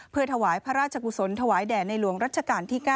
เพื่อถวายพระราชกุศลถวายแด่ในหลวงรัชกาลที่๙